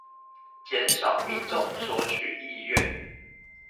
減少民眾索取意願